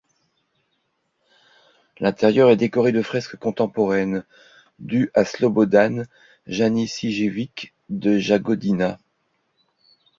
L'intérieur est décoré de fresques contemporaines dues à Slobodan Janićijević de Jagodina.